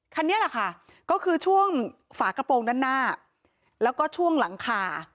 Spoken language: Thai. คันนี้แหละค่ะก็คือช่วงฝากระโปรงด้านหน้าแล้วก็ช่วงหลังคา